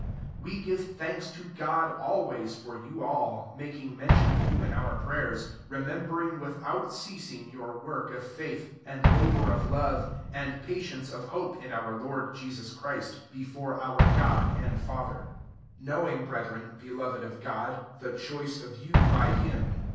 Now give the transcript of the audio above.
] 2 We give thanks to God always for you all, making mention of you in our prayers, 3 remembering without ceasing your work of faith, and labour of love, and patience of hope in our Lord Jesus Christ, be fore our God and Father ; 4 knowing, brethren, beloved of God, the choice of you* by him.